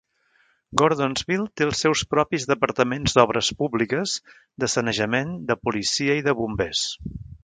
Gordonsville té els seus propis departaments d'obres públiques, de sanejament, de policia i de bombers.